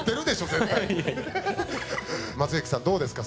絶対松雪さんどうですか？